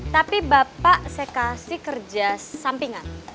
tapi bapak saya kasih kerja sampingan